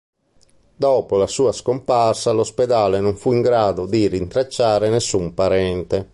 Dopo la sua scomparsa, l'ospedale non fu in grado di rintracciare nessun parente.